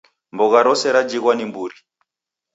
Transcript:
Mbogha rose rajighwa ni mburi